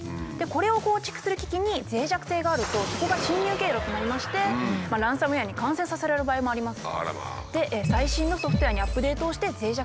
これを構築する機器にぜい弱性があるとそこが侵入経路となりましてランサムウエアに感染させられる場合もあります。